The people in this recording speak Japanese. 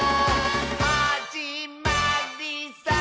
「はじまりさー」